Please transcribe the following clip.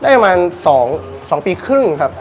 ได้ประมาณ๒ปีครึ่งครับ